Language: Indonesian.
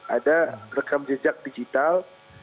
ada rekam jejak digital